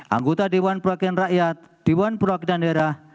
anggota dewan perwakilan rakyat dewan perwakilan daerah